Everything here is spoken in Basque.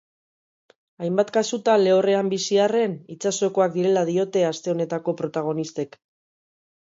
Hainbat kasutan lehorrean bizi arren, itsasokoak direla diote aste honetako protagonistek.